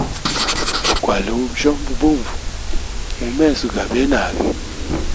Gwali ujyomba bunvu mu meso gabenage.